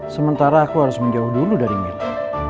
sementara aku harus menjauh dulu dari mirna